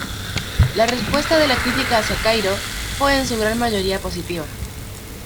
La respuesta de la crítica hacia "Kairo" fue en su gran mayoría positiva.